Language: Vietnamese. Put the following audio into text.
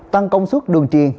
tăng công suất đường triền